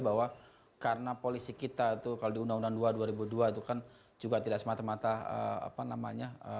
bahwa karena polisi kita itu kalau di undang undang dua dua ribu dua itu kan juga tidak semata mata apa namanya